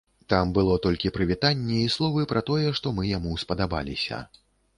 Там было толькі прывітанне і словы пра тое, што мы яму спадабаліся.